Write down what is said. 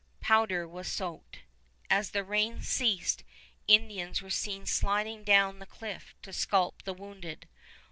Powder was soaked. As the rain ceased, Indians were seen sliding down the cliff to scalp the wounded.